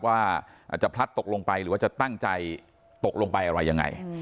ว่าอาจจะพลัดตกลงไปหรือว่าจะตั้งใจตกลงไปอะไรยังไง